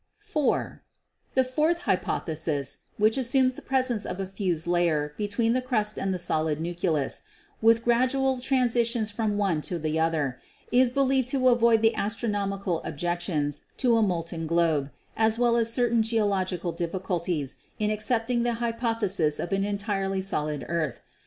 "(4) The fourth hypothesis, which assumes the pres ence of a fused layer between the crust and the solid nucleus, with gradual transitions from one to the other, is believed to avoid the astronomical objections to a molten globe, as well as certain geological difficulties in accepting the hypothesis of an entirely solid earth.